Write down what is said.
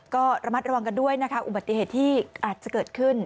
ก็ระมัดระวังกันด้วยนะคะอุบัติเหตุที่อาจจะเกิดขึ้น